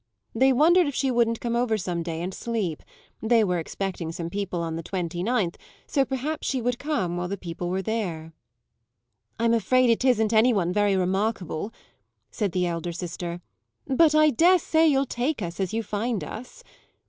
They wondered if she wouldn't come over some day, and sleep: they were expecting some people on the twenty ninth, so perhaps she would come while the people were there. "I'm afraid it isn't any one very remarkable," said the elder sister; "but I dare say you'll take us as you find us."